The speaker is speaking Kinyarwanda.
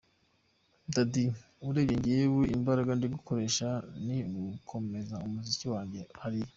Daddy: Urebye njyewe imbaraga ndi gukoresha ni ugukomeza umuziki wanjye hariya.